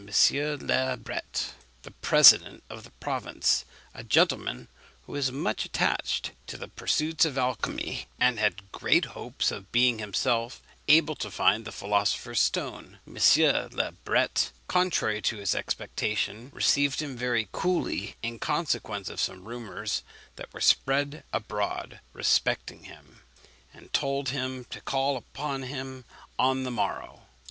le Bret, the president of the province, a gentleman who was much attached to the pursuits of alchymy, and had great hopes of being himself able to find the philosopher's stone. M. le Bret, contrary to his expectation, received him very coolly, in consequence of some rumours that were spread abroad respecting him; and told him to call upon him on the morrow.